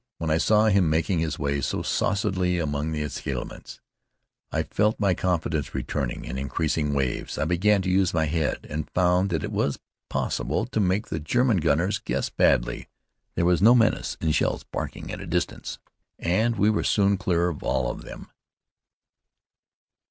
When I saw him making his way so saucily among the éclatements I felt my confidence returning in increasing waves. I began to use my head, and found that it was possible to make the German gunners guess badly. There was no menace in the sound of shells barking at a distance, and we were soon clear of all of them.